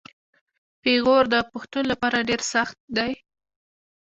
پېغور د پښتون لپاره ډیر سخت دی.